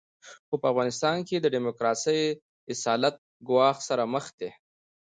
خو په افغانستان کې د ډیموکراسۍ اصالت ګواښ سره مخ دی.